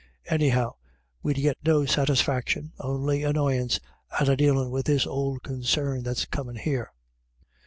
Anyhow we'd get no satisfaction, only annoyance, out of dealin' with this ould concern that's comin' here."